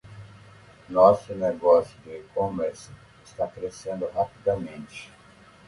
Nosso negócio de e-commerce está crescendo rapidamente.